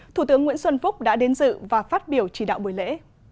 thủ tướng nguyễn xuân phúc đã đến dự và phát biểu chỉ đạo buổi lễ